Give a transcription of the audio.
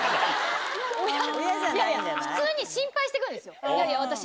普通に心配して来るんですよ。